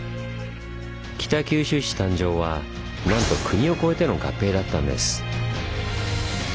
北九州市誕生はなんと国を越えての合併だったんです。